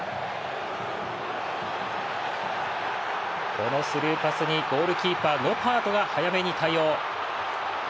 このスルーパスにゴールキーパー、ノパートが早めに対応。